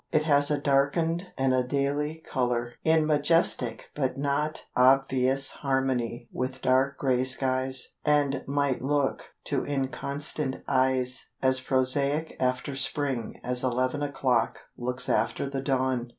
It has a darkened and a daily colour, in majestic but not obvious harmony with dark grey skies, and might look, to inconstant eyes, as prosaic after spring as eleven o'clock looks after the dawn.